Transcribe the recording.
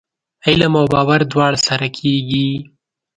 علم او باور دواړه سره کېږي ؟